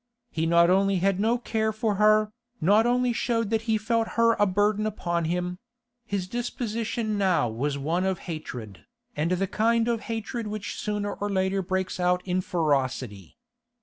He not only had no care for her, not only showed that he felt her a burden upon him; his disposition now was one of hatred, and the kind of hatred which sooner or later breaks out in ferocity.